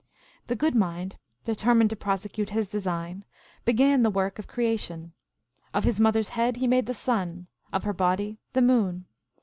The Good Mind, determined to prosecute his design, began the work of creation. Of his moth er s head he made the sun, of her body the moon.